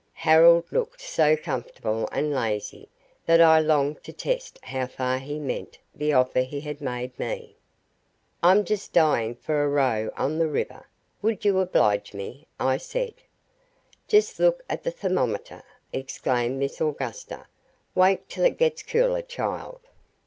Harold looked so comfortable and lazy that I longed to test how far he meant the offer he had made me. "I'm just dying for a row on the river. Would you oblige me?" I said. "Just look at the thermometer!" exclaimed Miss Augusta. "Wait till it gets cooler, child."